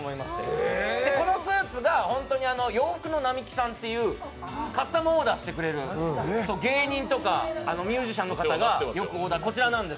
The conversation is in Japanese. このときのスーツが洋服の並木さんっていう、カスタムオーダーしてくれる、芸人とかミュージシャンの方が。